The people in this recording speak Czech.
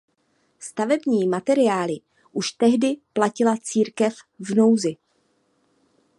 Stavební materiály už tehdy platila Církev v nouzi.